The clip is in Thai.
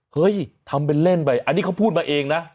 เฮ้ยทำเป็นเล่นไปอันนี้เขาพูดมาเองนะ